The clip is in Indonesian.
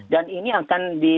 dan ini akan